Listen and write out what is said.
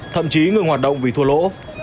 thậm chí ngừng hoạt động vì thua lỗ